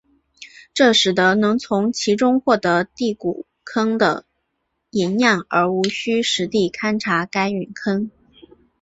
这使得能从其中获得第谷坑的岩样而无需实地勘查该陨坑。